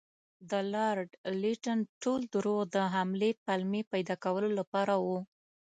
د لارډ لیټن ټول دروغ د حملې پلمې پیدا کولو لپاره وو.